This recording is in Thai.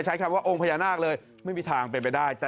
ไม่ครับเป็นไปไม่ได้